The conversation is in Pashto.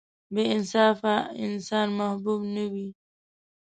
• بې انصافه انسان محبوب نه وي.